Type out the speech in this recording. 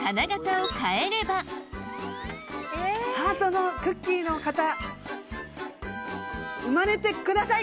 ハートのクッキーの型生まれてください！